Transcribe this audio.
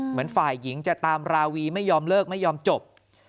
เหมือนฝ่ายหญิงจะตามราวีไม่ยอมเลิกไม่ยอมจบ